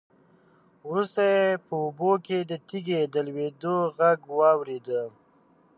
وروسته يې په اوبو کې د تېږې د لوېدو غږ واورېد.